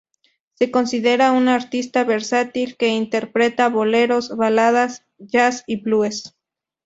Se considera una artista versátil, que interpreta boleros, baladas, jazz y blues.